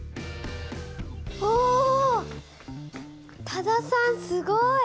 多田さんすごい！